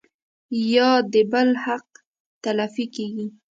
يا د بل حق تلفي کيږي